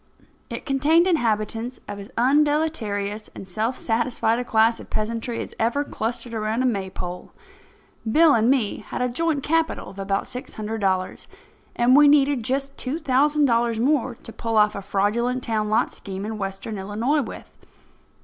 It contained inhabitants of as undeleterious and self satisfied a class of peasantry as ever clustered around a Maypole. Bill and me had a joint capital of about six hundred dollars, and we needed just two thousand dollars more to pull off a fraudulent town lot scheme in Western Illinois with.